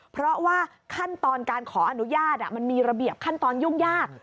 เพราะว่าขั้นตอนการขออนุญาตมันมีระเบียบขั้นตอนยุ่งยาก